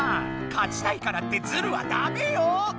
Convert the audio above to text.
勝ちたいからってズルはダメよ！